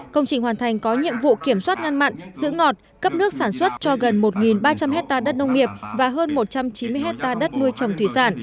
công trình hoàn thành có nhiệm vụ kiểm soát ngăn mặn giữ ngọt cấp nước sản xuất cho gần một ba trăm linh hectare đất nông nghiệp và hơn một trăm chín mươi hectare đất nuôi trồng thủy sản